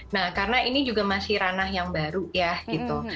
nah karena ini juga masih ranah yang baru ya gitu